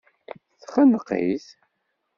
Texneq-it.